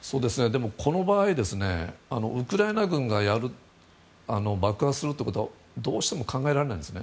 この場合、ウクライナ軍が爆破するということはどうしても考えられないんです。